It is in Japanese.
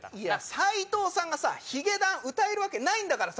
斎藤さんがヒゲダン歌えるわけないんだからさ！